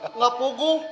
hah gak punggung